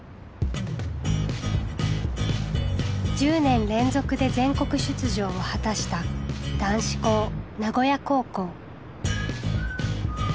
１０年連続で全国出場を果たした男子校名古屋高校。